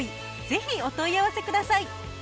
ぜひお問い合わせください。